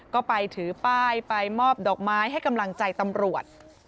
ก็ไปถือป้ายไปมอบดอกไม้ให้กำลังใจตำรวจ